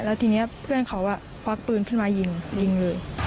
แล้วทีนี้เพื่อนเขาควักปืนขึ้นมายิงยิงเลย